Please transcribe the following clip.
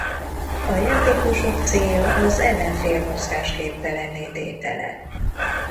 A játékosok célja az ellenfél mozgásképtelenné tétele.